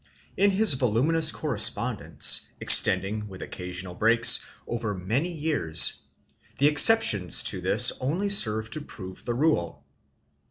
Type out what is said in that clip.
In his voluminous correspondence, ex tending, with occasional breaks, over many years, the exceptions to this only serve to prove the rule.